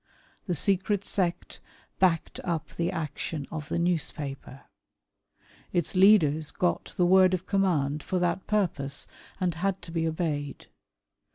The secret sect backed up the action of the newspaper. Its leaders got the " word of command " for that purpose, and had to be obeyed.